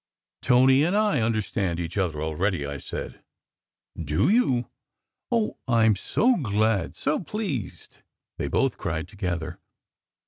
"Tony and I understand each other already," I said. "Do you? Oh, I m so glad, so pleased," they both cried together.